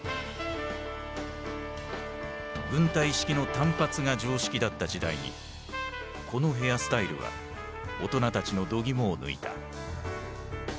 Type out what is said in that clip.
軍隊式の短髪が常識だった時代にこのヘアスタイルは大人たちのどぎもを抜いた。